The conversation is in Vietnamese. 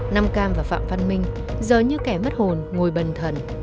nam cam và phạm văn minh giờ như kẻ mất hồn ngồi bần thần